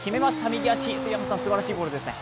右足、すばらしいゴールですね。